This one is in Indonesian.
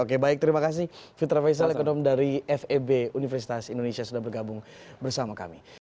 oke baik terima kasih fitra faisal ekonom dari feb universitas indonesia sudah bergabung bersama kami